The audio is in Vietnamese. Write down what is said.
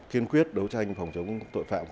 kiên quyết đấu tranh phòng chống tội phạm